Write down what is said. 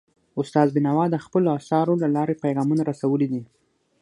استاد بینوا د خپلو اثارو له لارې پیغامونه رسولي دي.